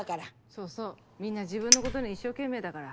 そうそうみんな自分のことに一生懸命だから。